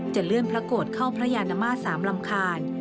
เลื่อนพระโกรธเข้าพระยานมาตร๓ลำคาญ